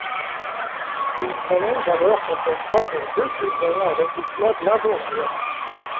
Il prolonge alors son contrat pour deux saisons avec le club limbourgeois.